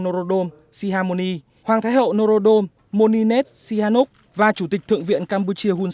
norodom sihamoni hoàng thái hậu norodom moninet sihamonuk và chủ tịch thượng viện campuchia hunsen